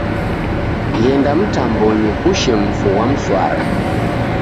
Ghenda mtambonyi kushe mfu ghwa mswara